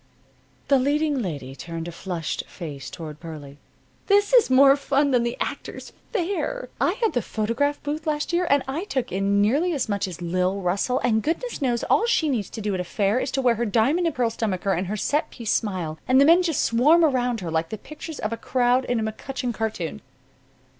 The leading lady turned a flushed face toward Pearlie. "This is more fun than the Actors' Fair. I had the photograph booth last year, and I took in nearly as much as Lil Russell; and goodness knows, all she needs to do at a fair is to wear her diamond and pearl stomacher and her set piece smile, and the men just swarm around her like the pictures of a crowd in a McCutcheon cartoon."